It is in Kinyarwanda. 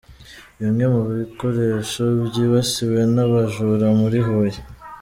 Bimwe mu bikoresho byibasiwe n’abajura muri Huye.